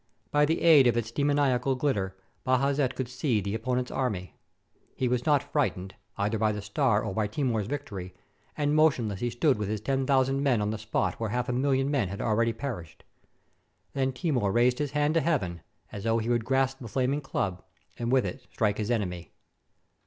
By the aid of its demoniacal ghtter Bajazet could see the opponent's army. He was not frightened, either by the star or by Timur's victory, and motionless he stood with his ten thousand men on the spot where half a million men had already perished. Then Timur raised his hand to heaven, as though he would grasp the flaming club, and with it strike his enemy.